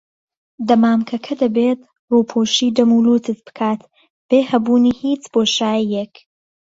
دەمامکەکە دەبێت ڕووپۆشی دەم و لوتت بکات بێ هەبوونی هیچ بۆشاییەک.